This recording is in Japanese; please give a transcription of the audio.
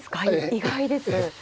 意外です。